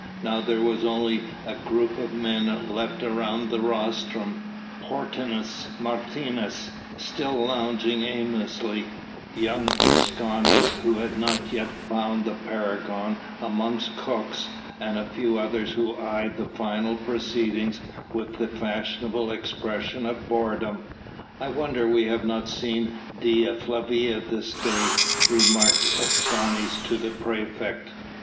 Now there was only a group of men left around the rostrum; Hortensius Martius still lounging aimlessly, young Escanes who had not yet found the paragon amongst cooks, and a few others who eyed the final proceedings with the fashionable expression of boredom. "I wonder we have not seen Dea Flavia this day," remarked Escanes to the praefect.